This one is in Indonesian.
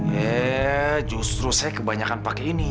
yeay justru saya kebanyakan pakai ini